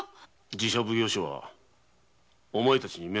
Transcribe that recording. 寺社奉行所はお前たちに目をつけている。